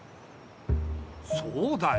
そうだよ。